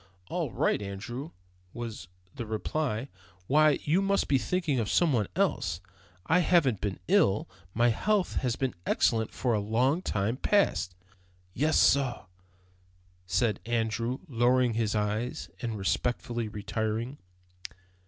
"All right, Andrew," was the reply. "Why, you must be thinking of some one else. I haven't been ill. My health has been excellent for a long time past." "Yes, sorr," said Andrew, lowering his eyes and respectfully retiring.